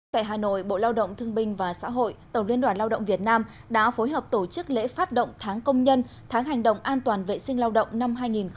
tại hà nội bộ lao động thương binh và xã hội tổng liên đoàn lao động việt nam đã phối hợp tổ chức lễ phát động tháng công nhân tháng hành động an toàn vệ sinh lao động năm hai nghìn hai mươi